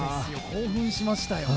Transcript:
興奮しましたよ。